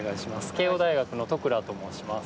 慶應大学の都倉と申します。